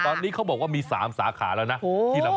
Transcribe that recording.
ตอนนี้เขาบอกว่ามี๓สาขาแล้วนะ